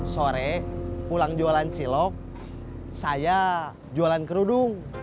sore pulang jualan cilok saya jualan kerudung